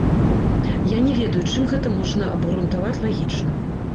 Я не ведаю, чым гэта можна абгрунтаваць лагічна.